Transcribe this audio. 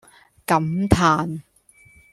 感嘆